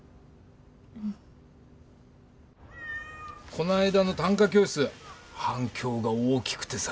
この間の短歌教室反響が大きくてさ。